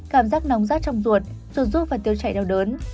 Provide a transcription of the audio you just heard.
cảm giác nóng rát trong ruột ruột ruột và tiêu chạy đau đớn